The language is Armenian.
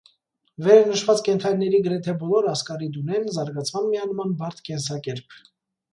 Վերը նշված կենդանիների գրեթե բոլոր ասկարիդ ունեն զարգացման միանման բարդ կենսակերպ։